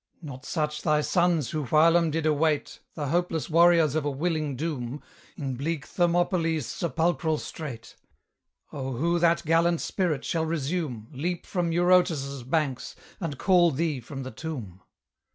Not such thy sons who whilome did await, The hopeless warriors of a willing doom, In bleak Thermopylae's sepulchral strait Oh, who that gallant spirit shall resume, Leap from Eurotas' banks, and call thee from the tomb?